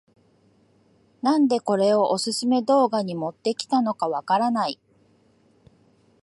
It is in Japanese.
なんでこれをオススメ動画に持ってきたのかわからない